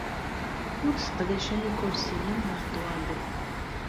Ur sseqdacen ikursiyen neɣ ṭṭwabel.